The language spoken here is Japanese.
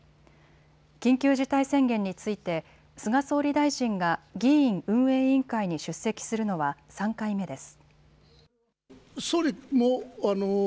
緊急事態宣言について菅総理大臣が議院運営委員会に出席するのは３回目です。